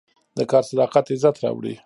د کار صداقت عزت راوړي.